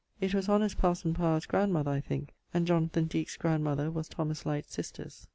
It was honest parson P grandmoth think and Jonath. Deekes grandmother was Thomas Lyte's sisters.